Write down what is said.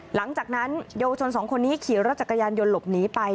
หลังจากนั้นเยาวชนสองคนนี้ขี่รถจักรยานยนต์หลบหนีไป